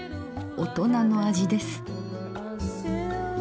大人の味です。